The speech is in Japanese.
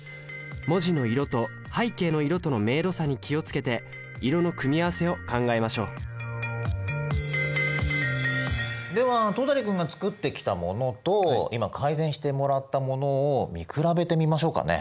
文字の色と背景の色との明度差に気を付けて色の組み合わせを考えましょうでは戸谷君が作ってきたものと今改善してもらったものを見比べてみましょうかね。